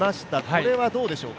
これはどうでしょうか？